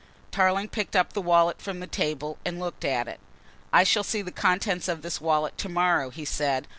Tarling picked up the wallet from the table and looked at it. "I shall see the contents of this wallet to morrow," he said.